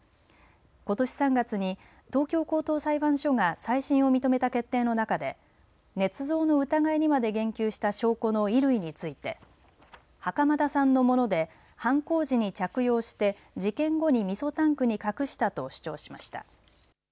ことし３月に東京高等裁判所が再審を認めた決定の中でねつ造の疑いにまで言及した証拠の衣類について袴田さんのもので犯行時に着用して事件後に、みそタンクに隠したと主張しました。